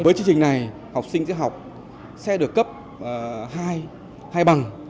với chương trình này học sinh sẽ học sẽ được cấp hai bằng